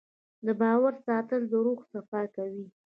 د باور ساتل د روح صفا کوي.